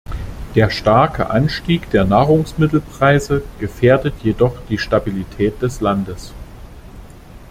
Der starke Anstieg der Nahrungsmittelpreise gefährdet jedoch die Stabilität des Landes.